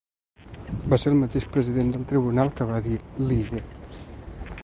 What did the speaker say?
Va ser el mateix president del tribunal que va dir: ‘ligue’.